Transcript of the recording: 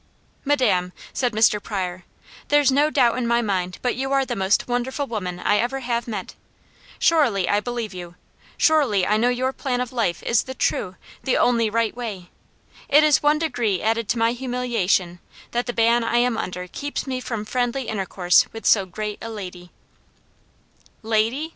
"Madame," said Mr. Pryor, "there's no doubt in my mind but you are the most wonderful woman I ever have met. Surely I believe you! Surely I know your plan of life is the true, the only right way. It is one degree added to my humiliation that the ban I am under keeps me from friendly intercourse with so great a lady." "'Lady'?"